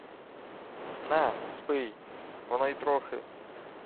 — На, спий, воно й трохи...